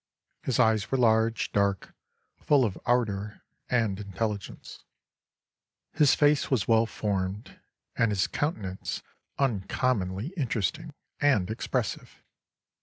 His eyes were large, dark, full of ardour and intelligence. His face was well formed, and his countenance uncommonly interesting and expressive.